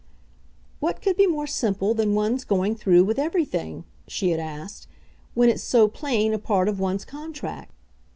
"What could be more simple than one's going through with everything," she had asked, "when it's so plain a part of one's contract?